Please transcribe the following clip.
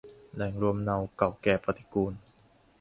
แหล่งรวมเน่าเก่าแก่ปฏิกูล